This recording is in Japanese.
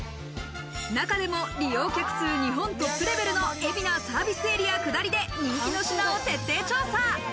中でも利用客数日本トップレベルの海老名サービスエリア下りで人気の品を徹底調査。